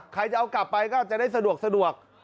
ใครจะเอากลับไปก็จะได้สะดวก